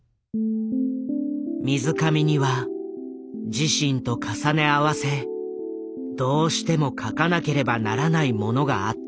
水上には自身と重ね合わせどうしても書かなければならないものがあった。